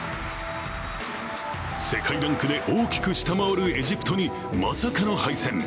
世界ランクで大きく下回るエジプトにまさかの敗戦。